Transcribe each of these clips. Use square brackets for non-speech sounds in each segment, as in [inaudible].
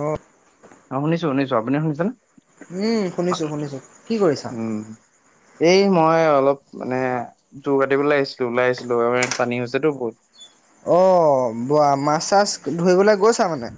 অ। অ শুনিছো, শুনিছো। আপুনি শুনিছে নে? উম শুনিছো, শুনিছো। কি কৰিছা? উম এই মই অলপ মানে জোৰ কাটিব লে আছিলো ওলাই আহিছিলো আমাৰ ইয়াত পানী হৈছেতো বহুত। অহ বোৱা মাছ চাছ ধৰিবলে গৈছা মানে?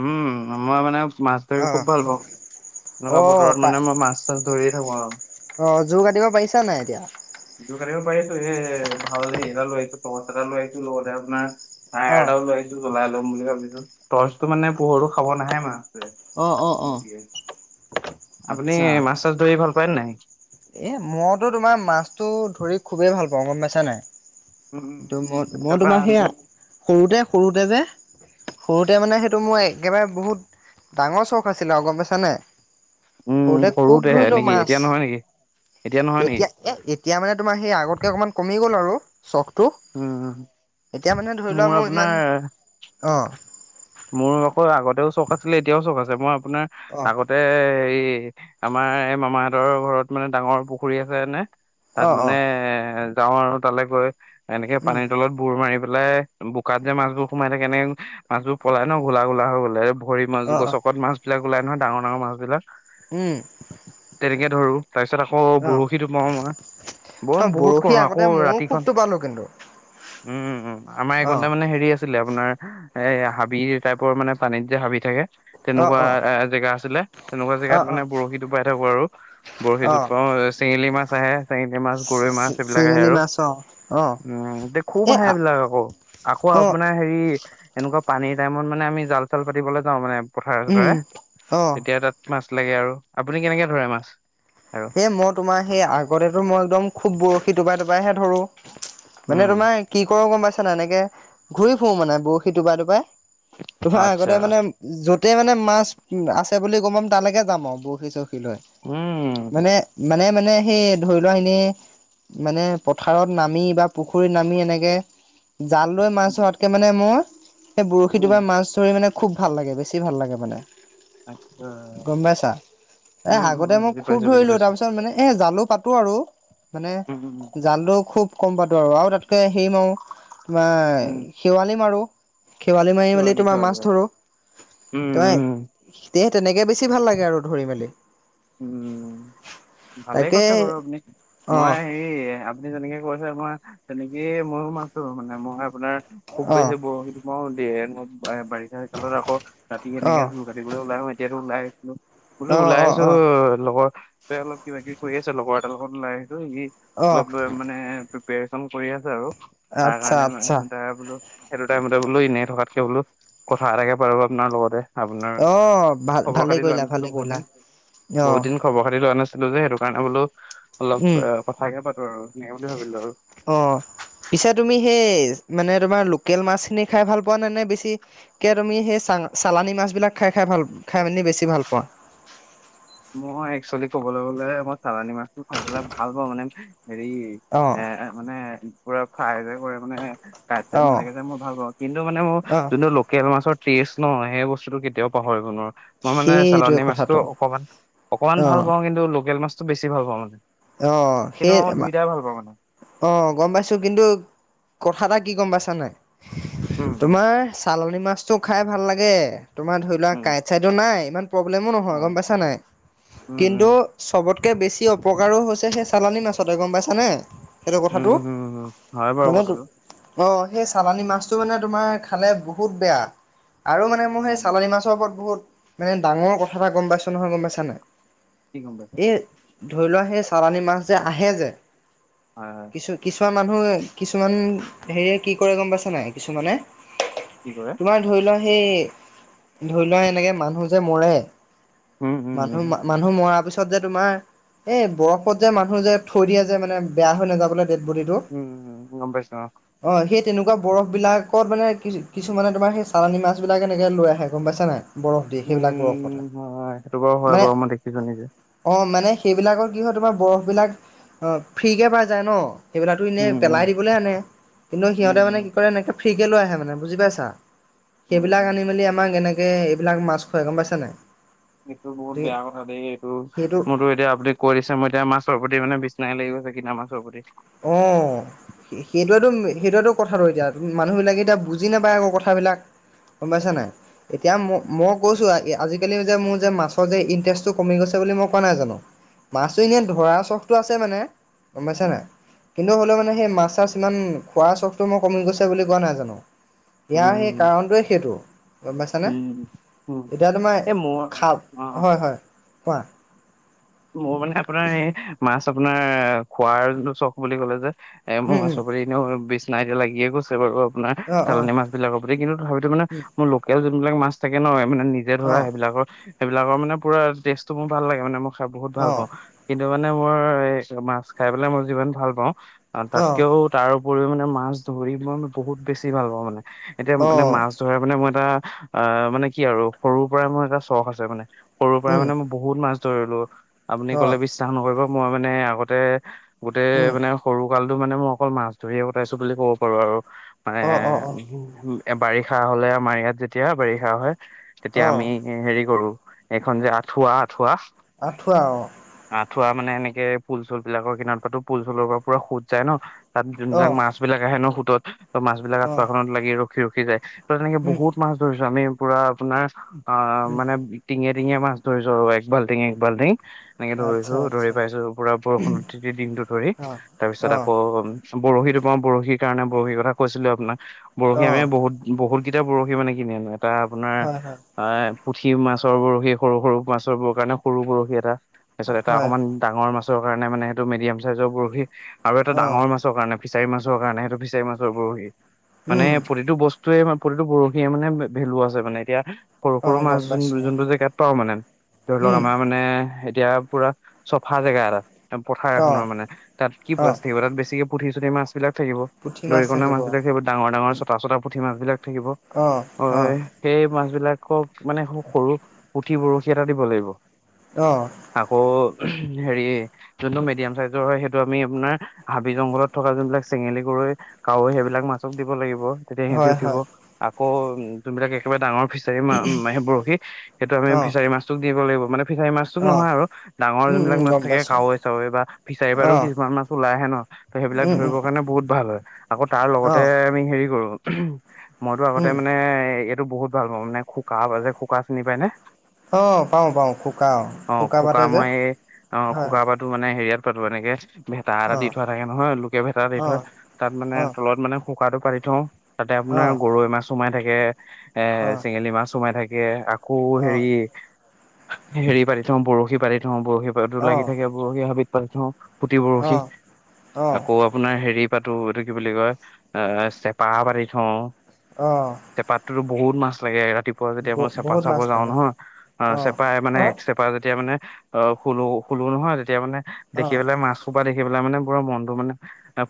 উম মই মানে মাছ ধৰি খুব ভাল পাওঁ। এনেকুৱা বতৰত মানে মই মাছ চাছ ধৰিয়ে থাকো আও। অ জোৰ কাটিব পাৰিছা নাই এতিয়া? জুৰ কাটিব পাৰিছোঁ এ ভাল হেৰি এটা লৈ আহিছো টৰ্চ এটা লৈ আহিছোঁ লগতে আপোনাৰ তায়াৰ অঁ এডাল লৈ আহিছোঁ জ্বলাই ল'ম বুলি ভাবিছোঁ, টৰ্চটো মানে পোহৰটো খাব নাহে মা- অঁ অঁ অঁ [unintelligible] আপুনি আচ্ছা। মাছ চাছ ধৰি ভাল পায় নে নাই? এ মইতো তোমাৰ মাছটো ধৰি খুবেই ভাল পাওঁ গম পাইছা নাই। উম উম, উম। কিন্তু মই মই তাৰপা তোমাৰ সেইয়া সৰুতে সৰুতে যে সৰুতে মানে সেইটো মোৰ একেবাৰে বহুত ডাঙৰ চখ আছিলে গম পাইছা নাই। উম সৰুতে খুব সৰুতেহে ধৰিলো নেকি মাছ। এতিয়া নহয় নেকি নহয় নেকি এতিয়া এ এতিয়া মানে তোমাৰ সেই আগতকৈ অকণমান কমি গ'ল আৰু চখটো। উম এতিয়া মানে ধৰি লোৱা মোৰ ইমান অ। মোৰ আকৌ আগতেও চখ আছিলে এতিয়াও চখ আছে মই আপোনাৰ অ', আগত- তে হেৰি আমাৰ এই মামাহঁতৰ ঘৰত মানে ডাঙৰ পুখুৰী আছে মানে। তাত অ', মানে অ', এ যাওঁ আৰু তালৈ গৈ এনেকে উম, পানীৰ তলত বুৰ মাৰি পেলাই বোকাত যে মাছবোৰ সোমাই থাকে কেনেং মাছবোৰ পলাই ন ঘোলা ঘোলা হৈ গ'লে ভৰি মাছ অ', অ', গছকত মাছ বিলাক ওলাই নহয় ডাঙৰ ডাঙৰ মাছ বিলাক উম। তেনেকে ধৰোঁ। তাৰপিছত আকৌ অ', বৰশী টোপাও মই, ব অ', বহুত বৰশী কৰো আগতে আকৌ ময়ো খুব ৰাতিখন টোপালো কিন্তু উম আমাৰ অ', একনতে মানে হেৰি আছ- ছিল আপোনাৰ এ হাবি টাইপৰ মানে পানীত যে হাবি থাকে। অ', তেনেকুৱা অ', এ জেগা আছিলে তেনেকুৱা অ', জেগাত অ', মানে বৰশী টোপাই থাকো আৰু। বৰশী অ', টোপাও চেঙেলী মাছ আহে চেঙেলী মাছ, গৰৈ মাছ এইবিলাক আহে চেঙেলী আৰু। মাছ অ', অ', উম এতিয়া খুব এ আহে অ', এইবিলাক আকৌ আকৌ আপোনাৰ হেৰি এনেকুৱা পানীৰ টাইমত মানে আমি জাল চাল পাতিবলৈ যাওঁ মানে পথাৰে উম, চথাৰে অ', তেতিয়া তাত মাছ লাগে আৰু আপুনি কেনেকে ধৰে মাছ আৰু এই মই তোমাৰ সেই আগতেতো মই একদম খুব বৰশী টোপাই টোপাইহে ধৰো মানে উম তোমাৰ কি কৰো গম পাইছা নাই এনেকে ঘূৰি ফুৰো মানে বৰশী টোপাই টোপাই তোমাৰ আচ্ছা আগতে মানে যতেই মানে মাছ আছে বুলি গম পাম তালৈকে যাম আও বৰশী চৰশী লৈ উম মানে মানে মানে সেই ধৰি লোৱা এনেই মানে পথাৰত নামি বা পুখুৰীত নামি এনেকে জাল লৈ মাছ উম ধৱাত এনেকে মানে মই সেই বৰশী উম টোপাই মাছ ধৰি মানে খুব ভাল লাগে বেছি ভাল লাগে মানে আচ্ছা গম পাইছা এ উম উম আগতে উম মই বুজি খুব পাইছো বুজি ধৰিলো পাইছো তাৰ পিছত মানে এ জালো পাতো আৰু মানে উম, উম, জালটো খুব কম পাতো আৰু আৰু তাতকে হেৰি মাৰো তোমাৰ উম, খেৱালি মাৰো খেৱালি মাৰি মেলি ছোৱালী তোমাৰ ছোৱালী মাছ অ', ধৰো উম, তেৱাই উম, তে তেনেকে বেছি ভাল লাগে আৰু ধৰি মেলি উম ভালেই তাকে কৈছে বাৰু আপুনি অ মই হেই আ আপুনি যেনেকে কৈছে মই তেনেকেই ময়ো মাছ ধৰো মানে মই আপোনাৰ খুব অ বেছি বৰশীটো মই দে মো অ বাৰিষা কালত আকৌ ৰাতি অ এনেকে জো কাটিবলৈ ওলাই আহো এতিয়াতো ওলাই আহিছিলো বোলো অ ওলাই অ অ আহিছো অ লগৰ এ অলপ কিবা কিবি কৰি আছে লগৰ এটাৰ লগত ওলাই আহিছো সি অ অলপ মানে প্ৰিপেচন কৰি আছে আৰু তাৰ আচ্ছা কাৰণে মানে আচ্ছা সিহঁতে বোলো সেইটো টাইমতে বোলো এনেই থকাতকে বোলো কথা এটাকে পাতো আপোনাৰ লগতে আপোনাৰ অ', ভাল খবৰ ভালে খাতি লোৱা কৰিলা নাছিলো ভালে বহুত কৰিলা দিন বহুত অ', দিন পাতি লোৱা নাছিলো যে সেইটো কাৰণে বোলো অলপ উম, এ কথাকে পাতো আৰু সেনেকে বুলি ভাবিলো আৰু অ পিছে তুমি সেই মানে তোমাৰ লোকেল মাছখিনি খাই ভাল পোৱা নে নে বেছি তাকে তুমি সেই চা চালানি মাছবিলাক খাই খাই ভাল খাই মেলি বেছি ভাল পোৱা মই একচুৱেলি ক'বলৈ গ'লে মই চালানী মাছটো খাই পেলাই ভাল পাওঁ মানে হেৰি অ এ মানে পুৰা ফ্ৰাই কৈ কৰি মানে কাইট চাইত অ', নাথাকে যে মই ভাল পাওঁ কিন্তু মানে মোৰ অ', যোনটো লোকেল মাছৰ টেষ্ট ন সেই বস্তুটোতো কেতিয়াও পাহৰিব নোৱাৰো মই মানে সেইটোৱে চালানী মাছটো কথাটো অকণমান অকণমান ভাল অ', পাও কিন্তু লোকেল মাছটো বেছি ভাল পাও মানে অ', কিন্তু সেই মই দুয়োটাই ভাল পাও মানে অ গম পাইছো কিন্তু কথা এটা কি গম পাইছা নাই উম উম তোমাৰ চালনী মাছটো খাই ভাল লাগে তোমাৰ ধৰি লোৱা উম কাইট চাইটো নাই ইমান প্ৰব্লেমো নহয় গম হয় পাইছা নাই উম উম কিন্তু চবত কে বেছি অপকাৰো হৈছে সেই চালানী মাছতে গম পাইছানে সেইটো উম কথাটো উম উম হয় বাৰু মানে তো কথাটো অ সেই চালানী মাছটো মানে তোমাৰ খালে বহুত বেয়া আৰু মানে মোৰ সেই উম চালানী মাছৰ ওপৰত বহুত মানে ডাঙৰ কথা এটা গম পাইছো নহয় গম পাইছা কি গম পাইছে নাই এ ধৰি লোৱা সেই চালানী মাছ যে আহে যে হয় হয় কিছু কিছুমান মানুহ কিছুমান হেৰিয়ে কি কৰে গম পাইছে নাই কিছুমানে কি কৰে তোমাৰ ধৰি লোৱা সেই ধৰি লোৱা এনেকে মানুহ যে মৰে উম উম উম মানুহ মানুহ মৰাৰ পিছত পিছত যে তোমাৰ এই বৰফত যে মানুহ যে থৈ দিয়ে যে মানে বেয়া হৈ নাযাবলৈ ডেট বডিটো উম উম গম পাইছো অ সেই তেনেকোৱা বৰফবিলাকত মানে কি কিছুমানে তোমাৰ সেই চালানী মাছবিলাক এনেকে লৈ আহে গম পাইছে নাই। বৰফ দিয়ে সেইবিলাক উম বৰফত হয় সেইটো বাৰু হয় বাৰু মই দেখিছো নিজে। অ মানে সেইবিলাকৰ কি হয় তোমাৰ বৰফ বিলাক অ ফ্ৰীকে পাই যায় ন। সেইবিলাকটো উম এনেই উম পেলাই দিবলৈ আনে কিন্তু উম সিহঁতে উম মানে কি কৰে এনেকে ফ্ৰী কে লৈ আহে মানে বুজি পাইছা। উম সেইবিলাক উম আনি মেলি আমাক এনেকে এইবিলাক মাছ খোৱাই গম পাইছা নাই এইটো বহুত গতিকে বেয়া কথা দেই এইটো সেইটো মোৰতো এতিয়া আপডেট কৰিছে মই এতিয়া মাছৰ প্ৰতি মানে বিচনায় লাগি গৈছে কিনা মাছৰ প্ৰতি অ সেইটোৱেত সেইটোৱেত কথাটো এতিয়া মানুহ বিলাকে এতিয়া বুজি নাপায় আকৌ কথাবিলাক গম পাইছা নাই এতিয়া ম মই কৈছো আজিকালি যে মোৰ যে মাছৰ যে ইন্টাৰেষ্টটো কমি গৈছে বুলি মই কোৱা নাই জানো মাছটো এনেই ধৰাৰ চখটো আছে মানে গম পাইছা নাই কিন্তু হলেও মানে সেই মাছ চাছ ইমান খোৱা চখটো মো কমি গৈছে বুলি কোৱা নাই জানো ইয়াৰ সেই উম কাৰণটোৱে সেইটো গম পাইছানে উম উম এতিয়া তোমাৰ এই মোৰ খা অ হয় হয়। কোৱা? মোৰ মানে আপোনাৰ এই মাছ আপোনাৰ খোৱাৰ চখ বুলি কলে যে এ মোৰ উম উম মাছ প্ৰতি নেও বিছনায় এতিয়া লাগিয়ে গৈছে বাৰু আপোনাৰ অ' অ' চালানী মাছ বিলাকৰ প্ৰতি, কিন্তু তথাপিতো মানে উম মোৰ লোকেল যোনবিলাক মাছ থাকে ন মান নিজে ধৰা অ' সেইবিলাকৰ সেইবিলাকৰ মানে পুৰা টেষ্ট টো মোৰ ভাল লাগে মানে মোৰ। বহুত ভাল অ' পাওঁ কিন্তু মানে মোৰ এ মাছ খাই পেলাই মই যিমান ভাল পাওঁ অ তাতকেও তাৰ উপৰিও মানে মাছ ধৰি মই বহুত বেছি ভাল পাওঁ মানে এতিয়া মানে অ' মাছ ধৰে মানে মই এটা অ মানে কি আৰু সৰুৰ পৰাই মোৰ এটা চখ আছে মানে সৰুৰ পৰাই উম মানে মো- বহুত মাছ ধৰিলো আপুনি অ'। কলে বিশ্বাস নকৰিব মই মানে আগতে গোটেই উম মানে সৰু কালটো মানে মই অকল মাছ ধৰিয়ে কটাইছো বুলি ক'ব পাৰো আৰু মানে অ অ অ এ বাৰিষা হলে আমাৰ ইয়াত যেতিয়া বাৰিষা হয় তেতিয়া অ আমি হেৰি কৰো এইখন যে আঠুৱা আঠুৱা আঁঠুৱা অ। আঁঠুৱা মানে এনেকে পুল চুল বিলাকৰ কিনাৰ পাতো পুল চুলৰ পৰা পুৰা সোত যায় ন তাত অ যোনবিলাক মাছ মাছ বিলাক আহে ন সুত ত মাছ বিলাক অ আঠুৱা এখনত লাগি ৰখি ৰখি যায় ত তেনেক উম বহুত মাছ ধৰিছো আমি পুৰা আপোনাৰ আ উম মানে টিঙে টিঙে মাছ ধৰিছো আৰু এক বাল্টিঙ এক বাল্টিং এনেকে আচ্ছা ধৰিছো ধৰি আচ্ছা পাইছো পুৰা বৰষুণ তিতি দিনটো ধৰি অ তাৰ পিছত অ আকৌ বৰশীটো টোপাও বৰশীৰ কাৰণে বৰশীৰ কথা কৈছিলো আপোনাক বৰশী অ আমি বহুত বহুত গিতা বৰশি মানে কিনি আনো এটা আপোনাৰ হয় হয় এ পুঠি মাছৰ বৰশী সৰু সৰু মাছৰ কাৰণে সৰু বৰশী এটা তাৰ পিছত এটা হয় অকমান ডাঙৰ মাছ কাৰণ মানে সেইটো মিডিয়াম চাইজৰ বৰশী আৰু এটা অ ডাঙৰ মাছ কাৰণে ফিচাৰী মাছৰ কাৰণে সেইটো ফিচাৰি মাছৰ বৰশী, মানে উম প্ৰতিটো বস্তু টোৱে প্ৰতিটো বৰশীয়ে মানে ভেলু আছে মানে এতিয়া সৰু অ সৰু গম পাইছো মাছবোৰ অ যোনটো জেগাত পাওঁ মানে ধৰি লওক উম আমাৰ মানে এতিয়া পুৰা চফা জেগা এটাত পথাৰ অ এখনৰ মানে তাত কি অ প্লাছ থাকিব তাত বেছিকে পুঠি চুঠি মাছ বিলাক থাকিব। দৰিকণা মাছ বিলাক থাকিব ডাঙৰ ডাঙৰ চটা চটা পুঠি মাছ বিলাক থাকিব অ অ হয়। সেই মাছবিলাকক মানে খুব সৰু পুঠি বৰশী এটা দিব লাগিব। অ আকৌ হেৰি যোনটো মিডিয়াম চাইজৰ হয় সেইটো আমি আপোনাৰ হাবি জংঘলত থকা যোনবিলাক চেঙেলী গৰৈ কাৱৈ সেইবিলাক মাছক দিব লাগিব তেতিয়া সিহঁতি হয় উঠিব, হয় আকৌ উ যোনবিলাক একেবাৰে ডাঙৰ ফিচ- ফিচাৰী মা বৰশী সেইটো আমি অ ফিচাৰী মাছটোক দিব লাগিব মানে ফিছাৰী মাছটোক অ নহয় আৰু ডাঙৰ উম উম যোনবিলাক মাছ গম থাকে পাইছো কাৱৈ চাৱৈ বা ফিচাৰী বাৰো অ কিছুমান মাছ ওলাই আহে ন। ত সেইবিলাক উম উম ধৰিবৰ কাৰণে বহুত ভাল হয়। আকৌ তাৰ অ লগতে আমি হেৰি কৰো মইতো আগতে উম মানে এট- টো বহুত ভাল পাওঁ মানে খোকা যে খোকা চিনি পাই নে? অ পাওঁ পাওঁ খুব অ খোকা মই অ হয় খোকা পাতো মানে হেৰিয়াত পাতো এনেকে ভেটা এটা দি হয় থোৱা থাকে নহয় লোকে ভেটা দি অ থৈ তাত মানে অ অ তলত মানে শুকাটো পাতি থওঁ। তাতে আপোনাৰ অ গৰৈ মাছ সোমাই থাকে এ চেঙেলী মাছ সোমাই থাকে। কৌ অ হেৰি হেৰি পাতি থওঁ বৰশী পাতি থওঁ বৰশী পাতো অ লাগি থাকে বৰশী হাবিত পাতি থওঁ। পুঠি অ অ বৰশি অঁ আকৌ আপোনাৰ হেৰি পাতো এইটো কি বুলি কয় এ চেপা পাতি থওঁ। অ। চেপাতটোতো বহুত মাছ লাগে ৰাতিপুৱা ব যেতিয়া মই চেপা বহুত চাব মাছ যাওঁ লাগে নহয়, আ অঁ চেপ- পাই মানে একচেপা যেতিয়া মানে অ শুলো শুলো নহয় তেতিয়া মানে দেখি অঁ পেলাই মাছ সোপা দেখি পেলাই মানে পোৰা মনতটো মানে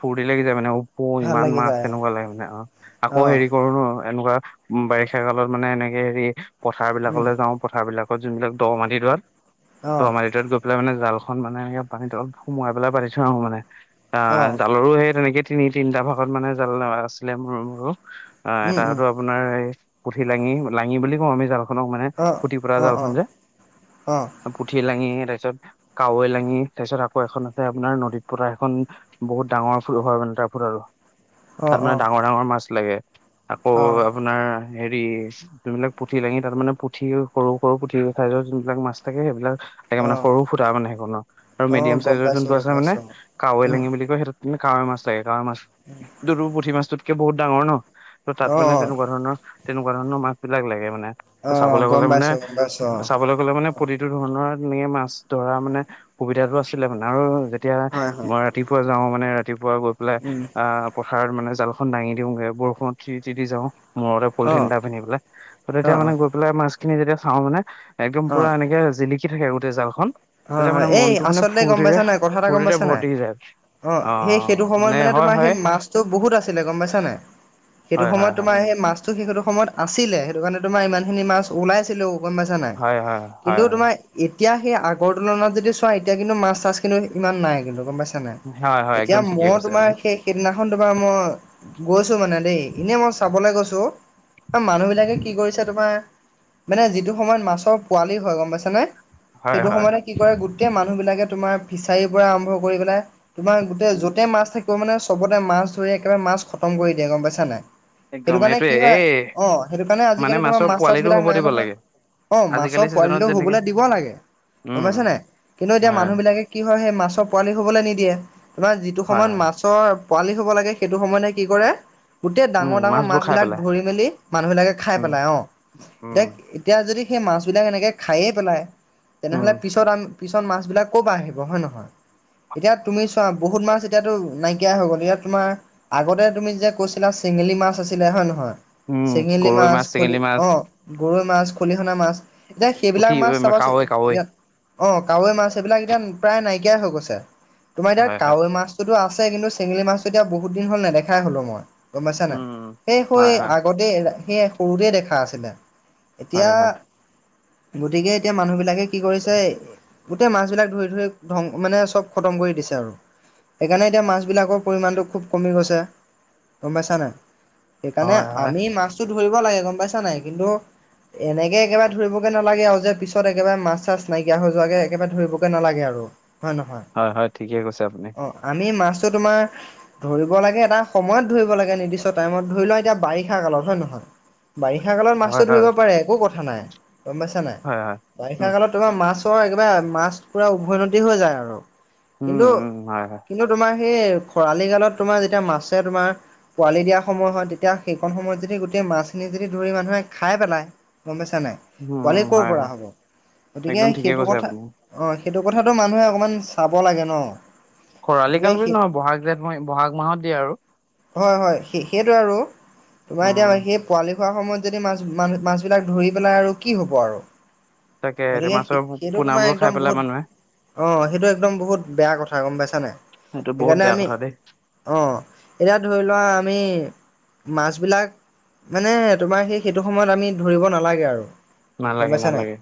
ফৰ্তি লাগি যায় মানে ওপ প ভাল ইমান লাগি মাছ যায় তেনেকুৱা লাগে মানে অ আকৌ অঁ হেৰি কৰো ন এনেকুৱা উ বাৰিষা কালত মানে এনেকে হেৰি পথাৰ উম বিলাকলৈ যাওঁ পথাৰ বিলাকত যোনবিলাক দ মাটি দোৱাত ত অঁ মাৰিতত গৈ পেলাই মানে জালখন মানে এনেক পানীত অল সোমোৱাই পেলাই পাতি থৈ আহো মানে। আহ অঁ জালৰো সেই তেনেকে তিনি তিনিটা ভাগত মানে জাল আছিলে মোৰ মোৰো। অ উম উম এটাতো আপোনাৰ এই পুঠি লাঙি লাঙি বুলি কওঁ আমি জালখনক মানে অঁ খুটি পতা অঁ জাল- খন অঁ যে অঁ পুঠি লাঙি তাৰপিছত কাৱৈ লাঙি তাৰপিছত আকৌ এখন আছে আপোনাৰ নদীত পতা সেইখন বহুত ডাঙৰ ফুল হয় মানে তাৰ ফুল আৰু অঁ তাত মানে অঁ ডাঙৰ ডাঙৰ মাছ লাগে। আকৌ অঁ আপোনাৰ হেৰি যিবিলাক পুঠি লাঙি তাত মানে পুঠিও কৰোঁ। সৰু পুঠি চাইজৰ যোনবিলাক মাছ থাকে সেইবিলাক তাকে মানে অঁ সৰু ফুটা মানে সেইখনৰ আৰু অঁ মিডিয়াম গম চাইজৰ পাইছোঁ যোনটো গম আছে মানে পাইছোঁ কাৱৈ উম লাঙি বুলি কয় সেইটো কাৱৈ মাছ লাগে কাৱৈ মাছ, সেইটো পুঠি মাছটোতকে বহুত ডাঙৰ ন। ত তাত অঁ মানে অঁ তেনেকুৱা ধৰণৰ তেনেকুৱা ধৰণৰ মাছ বিলাক লাগে মানে। অ চাবলৈ গম গ'লে মানে পাইছোঁ। পাইছোঁ চাবলৈ গলে মানে অঁ প্ৰতিটো ধৰণৰ মে মাছ ধৰা মানে সুবিধাটো আছিলে মানে আৰু যে- এতিয়া হয় হয় মই ৰাতিপুৱা যাও মানে ৰাতিপুৱা গৈ পেলাই উম আহ পথাৰত মানে জালখন দাঙি দিওঁগে বৰষুণত তিতি তিতি যাওঁ। মূৰতে পলিথিন অঁ এটা পিন্ধি পেলাই তেতিয়া অঁ মানে অঁ গৈ পেলাই মাছখিনি যেতিয়া চাওঁ মানে একদম পুৰা অঁ এনেকে জিলিকি থাকে গোটেই জালখন। হয় তেতিয়া হয় মানে এই মনটো মানে আচলতে ফুৰ্তিতে ফুৰ্তিতে ভৰ্ত্তি হৈ যায়। অ সেই সেইটো সময়ত মানে হয় তোমাৰ সেই হয় মাছটো বহুত আছিলে গম পাইছা নাই। সেইটো হয়, হয়, সময়ত হয়, তোমাৰ সেই মাছতো সেইটো সময়ত আছিলে সেইটো কাৰণে তোমাৰ ইমান খিনি মাছ ওলাইছিলেও। গম পাইছা নাই। হয়, হয়, কিন্তু হয়, তোমাৰ এতিয়া সেই আগৰ তুলনাত যদি চোৱা এতিয়া কিন্তু মাছ তাছ কিন্তু ইমান নাই কিন্তু গম পাইছ- তেনে হয়, হয়, হয়, এতিয়া একদম ঠিকেই মই কৈছে তোমাৰ আপুনি। সেইখ- কেইদিনাখন তোমাৰ মই গৈছো মানে দেই এনেই মই চাবলৈ গৈছোঁ। অ মানুহ বিলাকে কি কৰিছে তোমাৰ মানে যিটো সময়ত মাছৰ পোৱালি হয় গম পাইচা নে হয়, সেইটো হয়, সময়তে হয়। কি কৰে গোটেই মানুহ বিলাকে তোমাৰ ফিচাৰীৰ পৰা আৰম্ভ কৰি পেলাই তোমাৰ গোটেই উম, উম, য'তে মাছ থাকিব মানে চবতে মাছ ধৰি একেবাৰে মাছ খতম কৰি দিয়ে গম পাইছা নাই। সেইটো একদম কাৰণে সেইটোয়ে কি হয় এই অ সেইটো কাৰণে মানে আজিকালি তোমাৰ মাছৰ মাছ চাছ পোৱালিটো বিলাক হ'ব নাই দিব নহয়। লাগে। অ আজিকালি মাছৰ ছিজনত পোৱালিটোক যেনেকে শুবলৈ দিব লাগে। গম পইছা উম, নাই, কিন্তু এতিয়া হয়, মানুহ বিলাকে কি হয় সেই মাছৰ পোৱালি হবলৈ নিদিয়ে। তোমাৰ যিটো হয়, সময়ত হয়, মাছ ত পোৱালি হ'ব লাগে সেইটো সময়ত মানে কি কৰে গোটেই উম, ডাঙৰ ডাঙৰ মাছ মাছবোৰ খাই বিলাক পেলাই ধৰি মেলি মানুহ বিলাকে খাই উম, পেলাই অ। উম, এতিয়া এতিয়া যদি সেই মাছবিলাক এনেকে খাইয়ে পেলায়। উম, তেনেহ'লে পিছত পিছত মাছ বিলাক কপা আহিব হয় নহয়। এতিয়া তুমি চোৱা বহুত মাছ এতিয়াতো নাইকিয়াই হৈ গ'ল এ ইয়াত তোমাৰ আগতে তুমি যে কৈছিলা চেঙেলী মাছ আছিলে হয় নহয়। উম, চেঙেলী গৰৈ মাছ খুলি চেঙেলী মাছ, অ গৰৈ মাছ, খলিহনা মাছ এতিয়া পুঠি, সেইবিলাক মাছ উম, চাবা চো কাৱৈ, কাৱৈ অ, কাৱৈ মাছ এইবিলাক এতিয়া প্ৰায় নাইকিয়া হৈ গৈছে তোমাৰ এতিয়া হয়, হয়, কাৱৈ মাছ টোটো আছে কিন্তু চেঙেলি মাছ টো এতিয়া বহুত দিন হল নেদেখাই হলো মই। গম পাইছা নাই উম, সেই হই হয়, হয়, আগতে সেই সৰুতে দেখা আছিলে। হয়, এতিয়া হয়, গতিকে এতিয়া মানুহ বিলাকে কি কৰিছে গোটেই মাছ বিলাক ধৰি ধৰি ধং মানে চব খতম কৰি দিছে আৰু। সেইকাৰণে এতিয়া মাছবিলাকৰ পৰিমাণটো খুব কমি গৈছে গম পাইছা নাই? এইকাৰণে হয়, হয়, আমি মাছ [unintelligible] ধৰিব লাগে গম পাইছা নাই কিন্তু এনেকে একেবাৰে ধৰিব গে নালাগে আৰু যে পিছত একেবাৰে মাছ মাছ চাছ নাইকিয়া হৈ যোৱাকে একেবাৰে ধৰিবগে নালাগে আৰু হয় নহয়? হয়- হয় ঠিকে কৈছে আপুনি। অহ, আমি মাছটো তোমাৰ ধৰিব লাগে এটা সময়ত ধৰিব লাগে নিৰ্দিষ্ট টাইমত ধৰি লোৱা এতিয়া বাৰিষা কালত হয় নে নহয়? বাৰিষা কালত হয়, মাছটো ধৰিব হয়, পাৰে একো কথা নাই গম পাইছা নাই? হয়- হয় বাৰিষা উম, কালত তোমাৰ মাছৰ একবাৰে মাছ পুৰা উভৈনদী হৈ যায় আৰু উম, উম, হয়, হয়, কিন্তু- কিন্তু তোমাৰ সেই খৰালি কালত তোমাৰ যেতিয়া মাছে তোমাৰ পোৱালি দিয়া সময় হয় তেতিয়া সেইকণ সময়ত যদি গোটেই মাছখিনি যদি ধৰি মানুহে খাই পেলায় গম পাইছা নাই উম, পোৱালি উম, কৰ হয়, পৰা হয়, হ'ব। গতিকে একদম ঠিকে সেইটো কৈছে কথা আপুনি। অ, সেইটো কথাটো মানুহে অকমান চাব লাগে ন'। খৰালি গতিকে কাল বুলি সেই নহয় ব'হাগ, জেঠ মই ব'হাগ মাহত দিয়ে আৰু। হয়- হয় সেই সেইটো আৰু তোমাৰ উম, এতিয়া সেই পোৱালি হোৱাৰ সময়ত যদি মাছ -মা -মাছবিলাক ধৰি পেলাই আৰু কি হ'ব আৰু। তাকে গতিকে মাছৰ সেইটো তোমাৰ পোনাবোৰ খাই একদম পেলাই বহুত মানুহে অ, সেইটো একদম বহুত বেয়া কথা গম পাইছা নাই সেইটো বহুত সেইকাৰণে বেয়া আমি কথা দেই অহ, এতিয়া ধৰি লোৱা আমি মাছবিলাক মানে তোমাৰ সেই সেইটো সময়ত আমি ধৰিব নালাগে আৰু। গম নালাগে পাইছা নাই? -নালাগে।